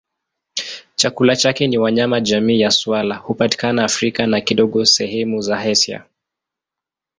Chakula chake ni wanyama jamii ya swala hupatikana Afrika na kidogo sehemu za Asia.